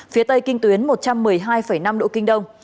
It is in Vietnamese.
phía tây kinh tuyến một trăm một mươi hai năm độ kinh đông